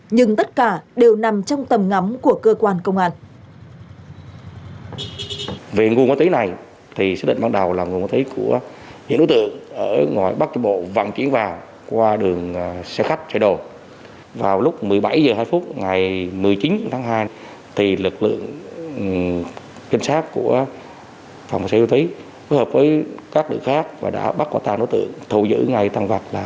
nhưng tất cả đều nằm trong tầm ngắm của cơ quan công an